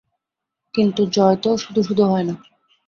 কিন্তু জয় তো শুধু শুধু হয় না।